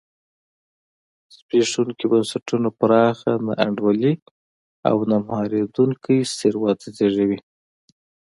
زبېښونکي بنسټونه پراخه نا انډولي او نه مهارېدونکی ثروت زېږوي.